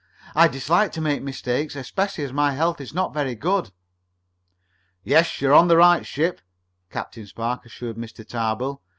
I dislike to make mistakes, especially as my health is not very good." "Yes, you're on the right ship," Captain Spark assured Mr. Tarbill.